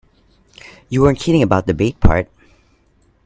You weren't kidding about the bait part.